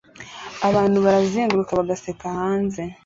Abantu barazenguruka bagaseka hanze